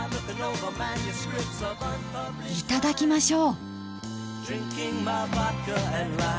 いただきましょう！